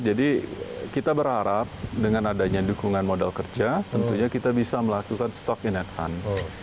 jadi kita berharap dengan adanya dukungan modal kerja tentunya kita bisa melakukan stock in advance